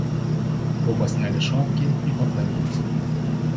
Оба сняли шапки и поклонились.